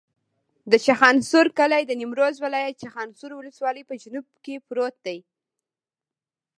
د چخانسور کلی د نیمروز ولایت، چخانسور ولسوالي په جنوب کې پروت دی.